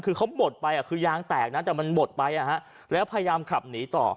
คือเขาบดไปคือยางแตกนะแต่มันบดไปแล้วพยายามขับหนีต่อ